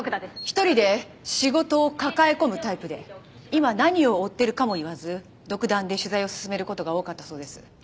一人で仕事を抱え込むタイプで今何を追っているかも言わず独断で取材を進める事が多かったそうです。